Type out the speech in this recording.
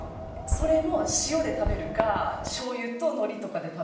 それも塩で食べるかしょうゆとのりとかで食べるか。